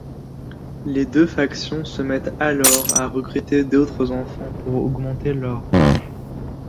Les deux factions se mettent alors à recruter d'autres enfants pour augmenter leurs rangs.